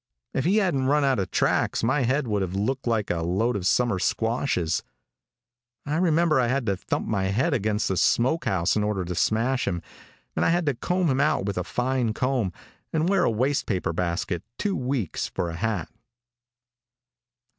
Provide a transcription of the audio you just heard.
If he hadn't run out of tracks my head would have looked like a load of summer squashes. I remember I had to thump my head against the smoke house in order to smash him, and I had to comb him out with a fine comb, and wear a waste paper basket two weeks for a hat.